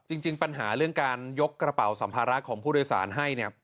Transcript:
จริงปัญหาเรื่องการยกกระเป๋าสัมภาระของผู้โดยสารให้เนี่ย